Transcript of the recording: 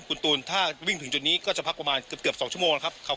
คุณตูนถ้าวิ่งถึงจุดนี้ก็จะพักประมาณเกือบ๒ชั่วโมงนะครับ